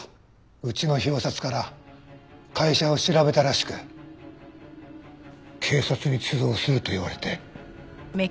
うちの表札から会社を調べたらしく警察に通報すると言われて。